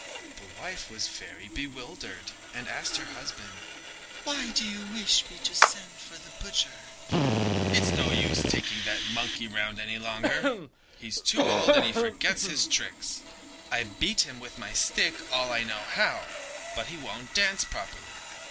The wife was very bewildered and asked her husband: "Why do you wish me to send for the butcher?" "It's no use taking that monkey round any longer, he's too old and forgets his tricks. I beat him with my stick all I know how, but he won't dance properly.